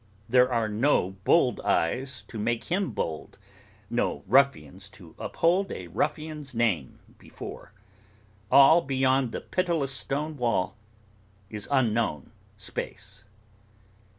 There are no bold eyes to make him bold; no ruffians to uphold a ruffian's name before. All beyond the pitiless stone wall, is unknown space.